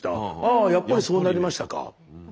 「あやっぱりそうなりましたか」。